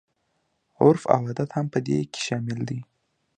عرف او عادت هم په دې کې شامل دي.